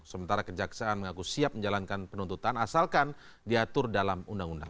sementara kejaksaan mengaku siap menjalankan penuntutan asalkan diatur dalam undang undang